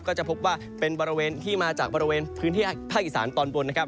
ก็จะพบว่าเป็นบริเวณที่มาจากบริเวณพื้นที่ภาคอีสานตอนบนนะครับ